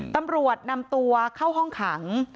ตำรวจนำตัวเข้าห้องขัง